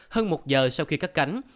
hơn một giờ sau khi cắt cánh